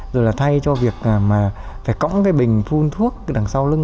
rồi là thay cho việc mà phải cõng cái bình phun thuốc đằng sau lưng